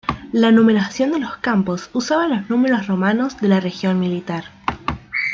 La numeración de los campos usaba los números romanos de la región militar.